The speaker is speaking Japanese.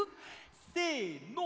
せの。